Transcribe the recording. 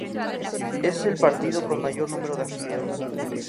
Es el partido con mayor número de afiliados.